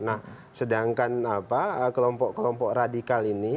nah sedangkan kelompok kelompok radikal ini